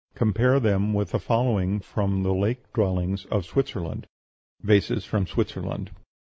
Compare them with the following from the lake dwellings of Switzerland: VASES FROM SWITZERLAND.